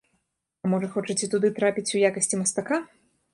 А можа, хочаце туды трапіць у якасці мастака?